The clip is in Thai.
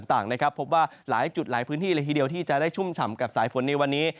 ต่างนะครับพบว่าหลายจุดหลายพื้นที่เลยทีเดียวที่จะได้ชุ่มฉ่ำกับสายฝนในวันนี้